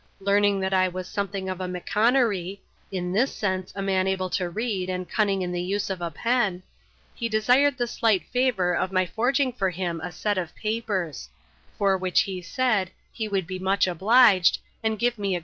Learning that I was something of a "mickonaree" (in this sense, a man able to read, and cunning in the use of the pen), he desired the slight favour of my forging for him a set of papers; for which, he said, he would be much obliged, and give me tv.